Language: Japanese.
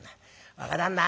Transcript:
「若旦那